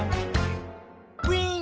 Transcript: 「ウィン！」